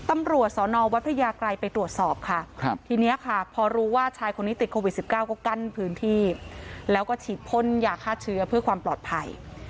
ตำรวจสอนอวัดพระยากรัยไปตรวจสอบค่ะทีนี้ค่ะพอรู้ว่าชายคนนี้ติดโควิด๑๙ก็กั้นพื้นที่แล้วก็ฉีดพ่นยาฆ่าเชื้อเพื่อความปลอดภัย